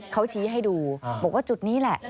เขาชี้ให้ดูบอกว่าจุดนี้แหละ